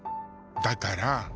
だから。